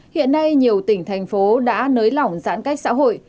hiện nay nhiều tỉnh thành phố đã nới lỏng giãn cách xã hội